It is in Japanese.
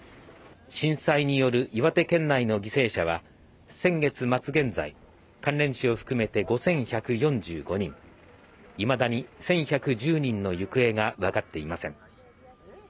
震災による岩手県内の犠牲者は先月末現在関連死を含めて５１４５人いまだに１１１０人の行方が分かっていません